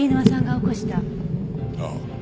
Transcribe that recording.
ああ。